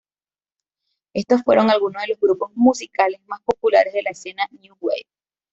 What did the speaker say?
Estos fueron algunos de los grupos musicales más populares de la escena new wave.